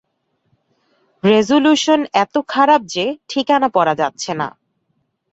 Resolution এত খারাপ যে ঠিকানা পড়া যাচ্ছে না।